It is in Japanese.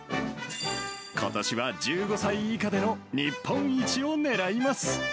ことしは１５歳以下での日本一を狙います。